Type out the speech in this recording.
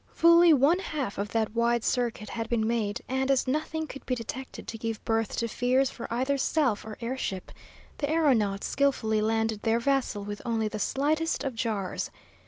Fully one half of that wide circuit had been made, and as nothing could be detected to give birth to fears for either self or air ship, the aeronauts skilfully landed their vessel with only the slightest of jars.